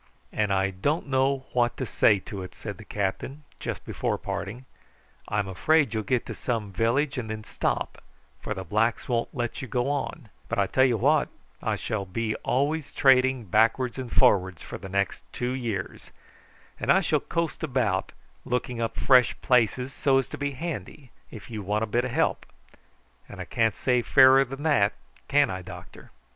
"And I don't know what to say to it," said the captain just before parting. "I'm afraid you'll get to some village and then stop, for the blacks won't let you go on; but I tell you what: I shall be always trading backwards and forwards for the next two years, and I shall coast about looking up fresh places so as to be handy if you want a bit of help; and I can't say fairer than that, can I, doctor?"